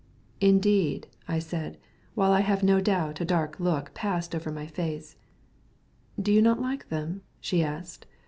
"Indeed?" I said, while I have no doubt a dark look passed over my face. "Do you not like them?" she asked.